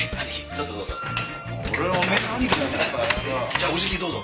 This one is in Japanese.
じゃあおじきどうぞ。